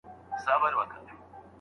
که هره کلمه په سمه توګه ولیکل سي.